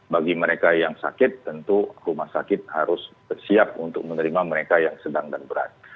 bagi mereka yang sakit tentu rumah sakit harus bersiap untuk menerima mereka yang sedang dan berat